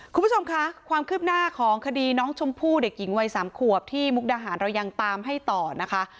คุณผู้ชมคะความคืบหน้าของคดีน้องชมพู่เด็กหญิงวัยสามขวบที่มุกดาหารเรายังตามให้ต่อนะคะ